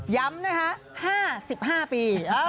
ย้ำนะคะ๕๕ปี